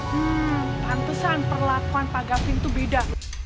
hmm tantesan perlakuan pak gafin tuh beda